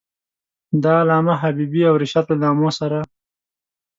د علامه حبیبي او رشاد له نامو سره.